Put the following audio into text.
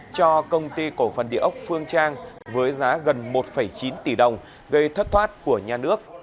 cho công ty cổ phần địa ốc phương trang với giá gần một chín tỷ đồng gây thất thoát của nhà nước